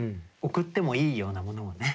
送ってもいいようなものをね。